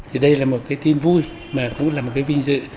thì đây là một cái tin vui mà cũng là một cái vinh dự